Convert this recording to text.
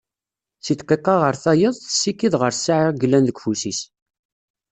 Si ddqiqa ar tayeḍ, tessikid ɣer ssaɛa i yellan deg ufus-is